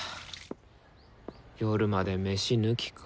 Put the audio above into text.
夜までメシ抜きか。